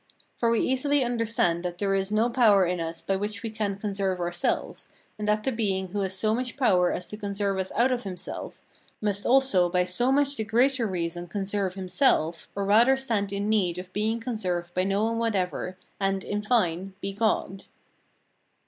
For we easily understand that there is no power in us by which we can conserve ourselves, and that the being who has so much power as to conserve us out of himself, must also by so much the greater reason conserve himself, or rather stand in need of being conserved by no one whatever, and, in fine, be God.